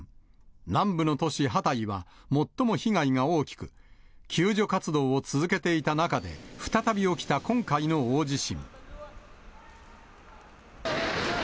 南部の都市ハタイは、最も被害が大きく、救助活動を続けていた中で、再び起きた今回の大地震。